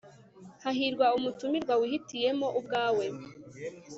hahirwa umutumirwa wihitiyemo ubwawe